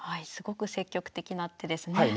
すごく積極的な手ですね。